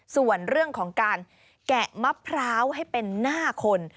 ส่วนเรื่องของการแกะมะพร้าวให้เป็นหน้าคน